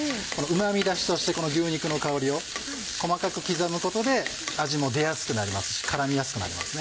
ま味出しとしてこの牛肉の香りを細かく刻むことで味も出やすくなりますし絡みやすくなりますね。